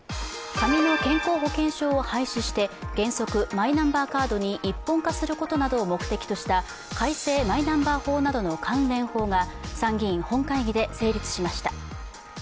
紙の健康保険証を廃止して原則、マイナンバーカードに一本化することなどを目的とした改正マイナンバー法などの関連法が参議院本会議で成立しました。